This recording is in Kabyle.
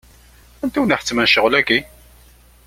Anta i wen-iḥettmen ccɣel-agi?